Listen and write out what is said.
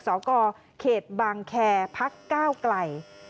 สกเขตบางแคร์พักก้าวไกล